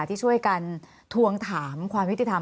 ที่ช่วยกันทวงถามความยุติธรรม